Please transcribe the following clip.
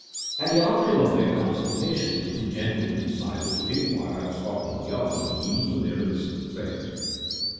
As the outcome of their consultation the two gentlemen decided to inquire at Scotland Yard for news of their missing friend.